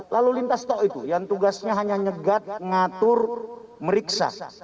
lalu lintas toh itu yang tugasnya hanya nyegat ngatur meriksa